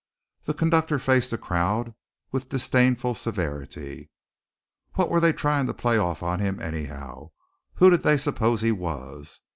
The conductor faced the crowd with disdainful severity. What were they trying to play off on him, anyhow? Who did they suppose he was?